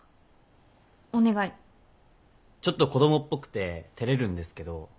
ちょっと子供っぽくて照れるんですけど。